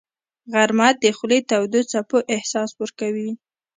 غرمه د خولې تودو څپو احساس ورکوي